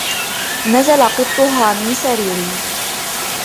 نزل قطها من سريري.